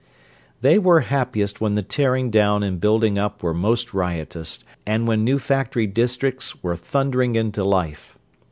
They were happiest when the tearing down and building up were most riotous, and when new factory districts were thundering into life.